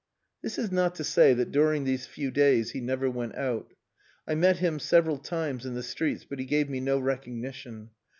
This is not to say that during these few days he never went out. I met him several times in the streets, but he gave me no recognition.